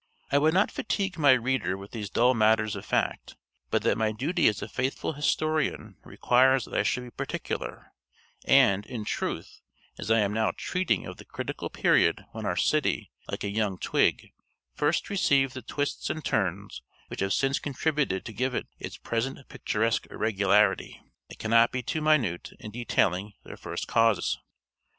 I would not fatigue my reader with these dull matters of fact, but that my duty as a faithful historian requires that I should be particular; and, in truth, as I am now treating of the critical period when our city, like a young twig, first received the twists and turns which have since contributed to give it its present picturesque irregularity, I cannot be too minute in detailing their first causes.